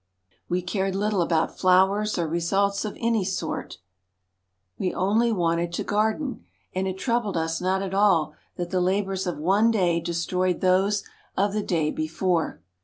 We cared little about flowers or results of any sort ; we only wanted to garden, and it troubled us not at all that the labours of one day destroyed those of the day before.